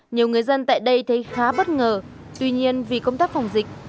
nhiều người dân tại đây thấy khá bình thường